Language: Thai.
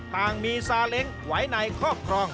ต่างมีซาเล้งไว้ในครอบครอง